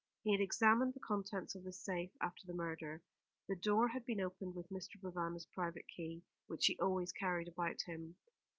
He had examined the contents of this safe after the murder. The door had been opened with Mr. Provana's private key, which he always carried about him.